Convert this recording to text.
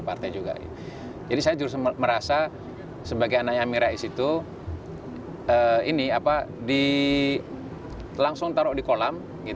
partai juga jadi saya merasa sebagai anaknya mirai situ ini apa di langsung taruh di kolam